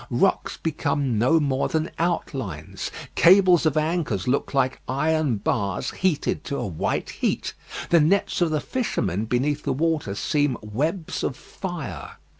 Rocks become no more than outlines. Cables of anchors look like iron bars heated to a white heat. The nets of the fishermen beneath the water seem webs of fire.